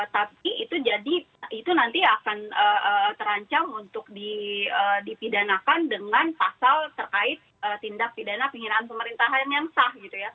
tapi itu nanti akan terancam untuk dipidanakan dengan pasal terkait tindak pidana penghinaan pemerintahan yang sah